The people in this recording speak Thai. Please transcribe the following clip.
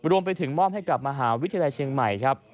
รวมไปถึงมอบให้กับมหาวิทยาลัยเชียงใหม่ครับ